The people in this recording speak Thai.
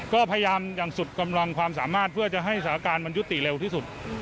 ก็พยายามอย่างสุดกำลังความสามารถเพื่อจะให้สถานการณ์มันยุติเร็วที่สุด